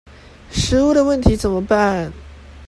食物的問題怎麼辦？